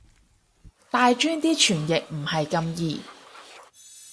大專啲傳譯唔係咁易